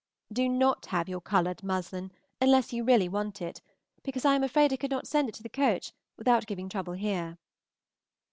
Do not have your colored muslin unless you really want it, because I am afraid I could not send it to the coach without giving trouble here.